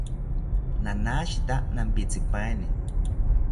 Nanashita nampitzipaeni